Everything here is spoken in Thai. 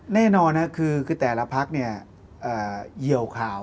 แน่นอนคือแต่ละพักเหยียวข่าว